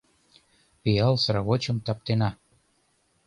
Пиал сравочым таптена: